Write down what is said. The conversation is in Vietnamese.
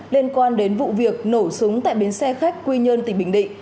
liên quan đến vụ việc nổ súng tại bến xe khách quy nhơn tỉnh bình định